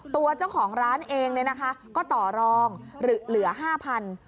ตัวเจ้าของร้านเองเนี่ยนะคะก็ต่อรองเหลือห้าพัน